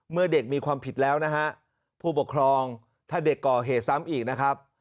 เมื่อเด็กมีความผิดแล้วนะฮะผู้ปกครองถ้าเด็กก่อเหตุซ้ำอีกนะครับ